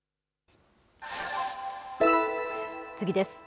次です。